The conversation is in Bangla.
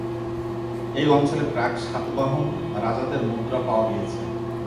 এই অঞ্চলে প্রাক-সাতবাহন রাজাদের মুদ্রা পাওয়া গিয়েছে।